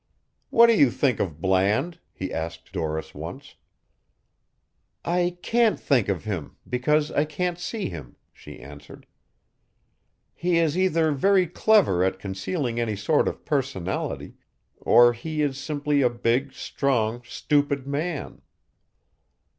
"What do you think of Bland?" he asked Doris once. "I can't think of him, because I can't see him," she answered. "He is either very clever at concealing any sort of personality, or he is simply a big, strong, stupid man."